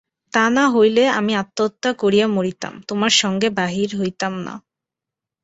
তা না হইলে আমি আত্মহত্যা করিয়া মরিতাম, তোমার সঙ্গে বাহির হইতাম না।